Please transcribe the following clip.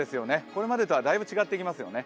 これまでとはだいぶ違ってきますよね。